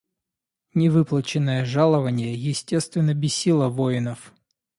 Невыплаченное жалование естественно бесило воинов.